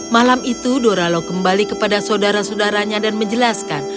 malam itu doralo kembali kepada saudara saudaranya dan menjelaskan